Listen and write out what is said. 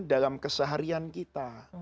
dalam keseharian kita